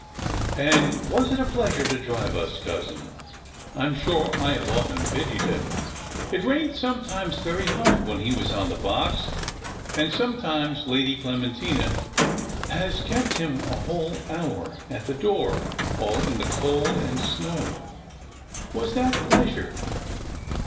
"And was it pleasure to drive us, cousin? I am sure I have often pitied him. It rained sometimes very hard when he was on the box; and sometimes Lady Clementina has kept him a whole hour at the door all in the cold and snow. Was that pleasure?"